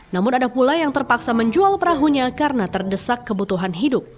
namun ada pula yang terpaksa menjual perahunya karena terdesak kebutuhan hidup